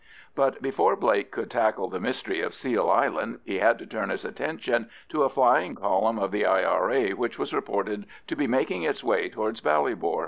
But before Blake could tackle the mystery of Seal Island, he had to turn his attention to a flying column of the I.R.A. which was reported to be making its way towards Ballybor.